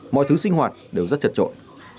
mọi thứ sinh hoạt đều rất chật trội